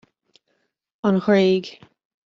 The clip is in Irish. An Ghréig